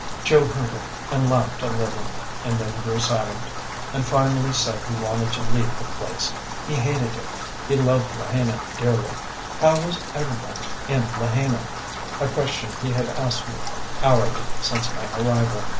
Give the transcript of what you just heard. Joe heard it, and laughed a little, and then grew silent; and finally said he wanted to leave the place, he hated it; he loved Lahaina dearly: how was everybody in Lahaina? a question he had asked me hourly since my arrival.